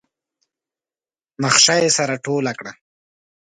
نخشه يې سره ټوله کړه.